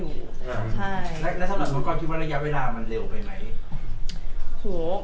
สมมุติก็คิดว่าระยะเวลามันเร็วไปมั้ย